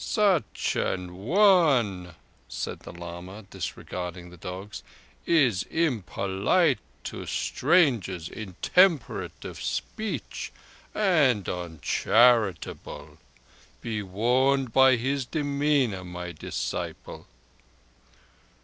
"Such an one," said the lama, disregarding the dogs, "is impolite to strangers, intemperate of speech and uncharitable. Be warned by his demeanour, my disciple."